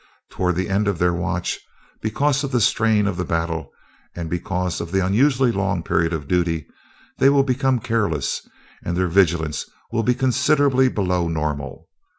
Toward the end of their watch, because of the strain of the battle and because of the unusually long period of duty, they will become careless, and their vigilance will be considerably below normal.